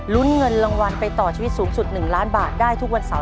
ลุงไปขายที่ได้เงินเยอะไหมเยอะ